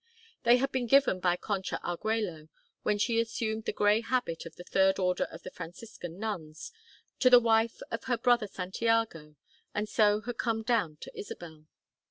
They had been given by Concha Argüello, when she assumed the gray habit of the Third Order of the Franciscan nuns, to the wife of her brother Santiago and so had come down to Isabel.